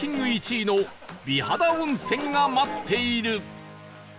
１位の美肌温泉が待っている